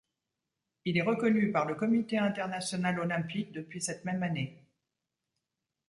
Il est reconnu par le Comité international olympique depuis cette même année.